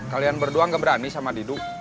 kalian berdua gak berani sama didu